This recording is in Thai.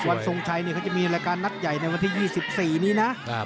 ทรงชัยเขาจะมีรายการนัดใหญ่ในวันที่๒๔นี้นะ